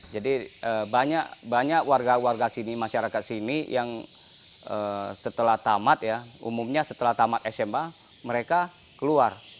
jadi banyak warga warga sini masyarakat sini yang setelah tamat ya umumnya setelah tamat sma mereka keluar